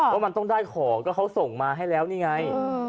ว่ามันต้องได้ของก็เขาส่งมาให้แล้วนี่ไง